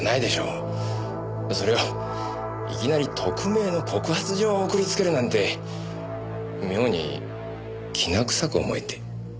それをいきなり匿名の告発状を送りつけるなんて妙にキナ臭く思えて。